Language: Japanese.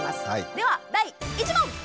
では第１問！